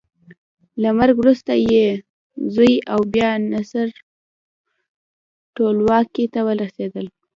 له مرګه وروسته یې زوی او بیا نصر ټولواکۍ ته ورسېدل.